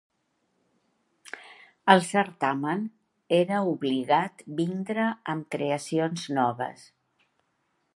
Al certamen, era obligat vindre amb creacions noves.